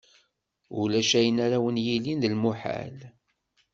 Ulac ayen ara wen-yilin d lmuḥal.